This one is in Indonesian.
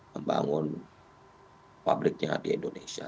membangun pabriknya di indonesia